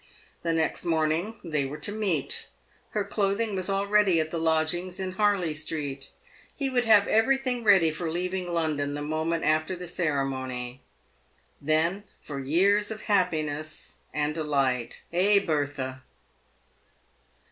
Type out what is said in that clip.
The next morning, they were to meet. Her clothing was already at the lodgings in Harley street. He would have everything ready for leaving London the moment after the ceremony. Then for years of happiness and delight —" eh, Bertha